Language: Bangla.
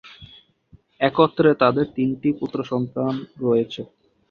একত্রে তাদের তিনটি পুত্রসন্তান রয়েছে।